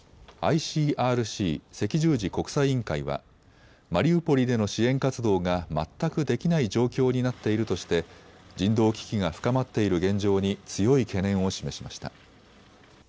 ＩＣＲＣ・赤十字国際委員会はマリウポリでの支援活動が全くできない状況になっているとして人道危機が深まっている現状に強い懸念を示しました。